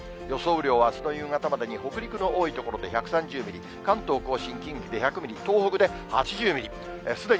雨量はあすの夕方までに北陸の多い所で１３０ミリ、関東甲信、近畿で１００ミリ、東北で８０ミリ。